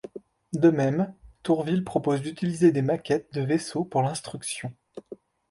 De même, Tourville propose d'utiliser des maquettes de vaisseaux pour l'instruction.